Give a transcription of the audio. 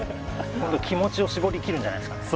気持ちを絞りきるんじゃないですかね。